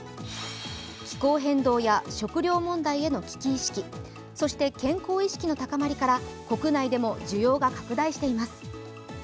気候変動や食糧問題への危機意識、そして健康意識の高まりから国内でも需要が拡大しています。